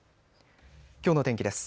きょうの天気です。